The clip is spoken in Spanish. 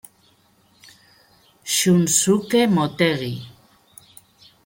Shunsuke Motegi